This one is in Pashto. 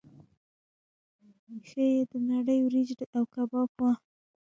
ښې نرۍ وریجې او کباب وو.